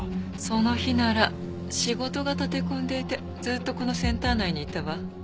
その日なら仕事が立て込んでいてずっとこのセンター内にいたわ。